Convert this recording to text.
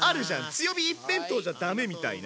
強火一辺倒じゃダメみたいな。